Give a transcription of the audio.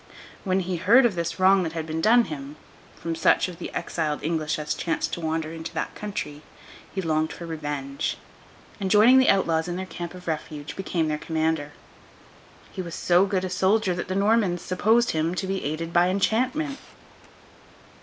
When he heard of this wrong that had been done him (from such of the exiled English as chanced to wander into that country), he longed for revenge; and joining the outlaws in their camp of refuge, became their commander. He was so good a soldier, that the Normans supposed him to be aided by enchantment.